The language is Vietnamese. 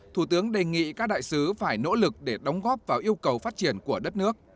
thủ tướng đề nghị các đại sứ phải nỗ lực để đóng góp vào yêu cầu phát triển của đất nước